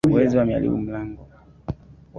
Wezi wameharibu mlango.